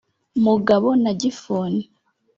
Mugabo na Gifuni